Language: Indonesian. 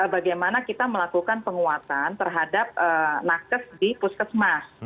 bagaimana kita melakukan penguatan terhadap nakes di puskesmas